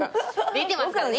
出てますからね